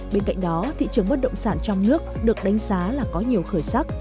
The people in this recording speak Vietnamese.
bên cạnh đó thị trường bất động sản trong nước được đánh giá là có nhiều khởi sắc